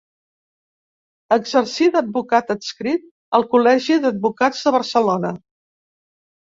Exercí d'advocat adscrit al Col·legi d'Advocats de Barcelona.